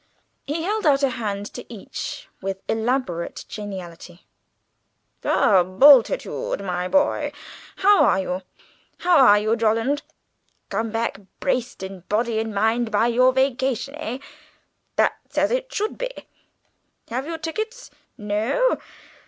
He held out a hand to each with elaborate geniality. "Ha, Bultitude, my boy, how are you? How are you, Jolland? Come back braced in body and mind by your vacation, eh? That's as it should be. Have you tickets? No?